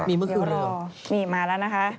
มีเมื่อคืนเลยนี่มาแล้วนะคะ